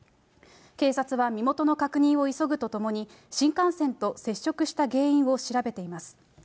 警察は身元の確認を急ぐとともに、新幹線と接触した原因を調べています。